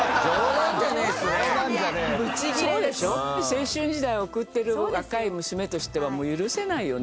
青春時代を送ってる若い娘としては許せないよね。